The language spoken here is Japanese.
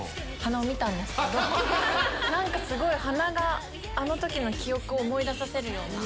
何か鼻があの時の記憶を思い出させるような。